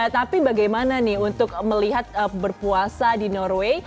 tapi bagaimana nih untuk melihat berpuasa di norway